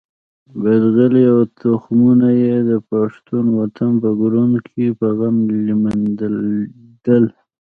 بزغلي او تخمونه یې د پښتون وطن په کروندو کې په غم لمدېدل.